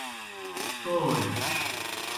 ڇوئے۔